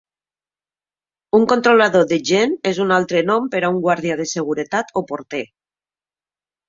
Un controlador de gent és un altre nom per a un guàrdia de seguretat o porter.